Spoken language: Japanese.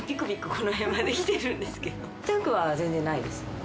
この辺まできてるんですけど痛くは全然ないです